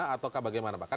atau bagaimana pak